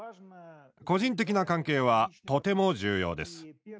個人的な関係はとても重要です。